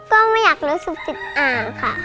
ก็ไม่อยากรู้สึกติดอ่านค่ะ